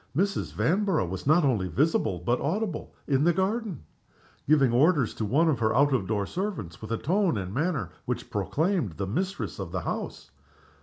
Mrs. Vanborough was not only visible but audible in the garden; giving her orders to one of the out of door servants with the tone and manner which proclaimed the mistress of the house.